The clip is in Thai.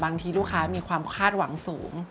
บางทีลูกค้ามีความคาดหวังสูง